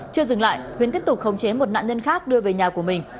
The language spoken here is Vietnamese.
chưa dừng lại huyền tiếp tục khống chế một nạn nhân khác đưa về nhà của mình